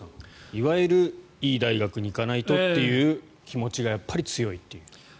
いわゆるいい大学に行かないとという気持ちがやっぱり強いという。